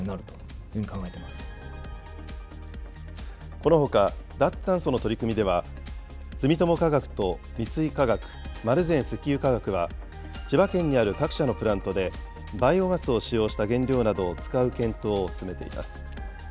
このほか脱炭素の取り組みでは住友化学と三井化学、丸善石油化学は千葉県にある各社のプラントでバイオマスを使用した原料などを使う検討を進めています。